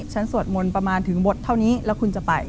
สวดมนต์ประมาณถึงบทเท่านี้แล้วคุณจะไป